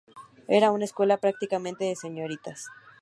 Era una escuela prácticamente de señoritas.